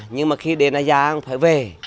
nhưng mà khi đến là giàng phải về